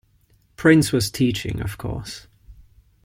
Prince was teaching, of course.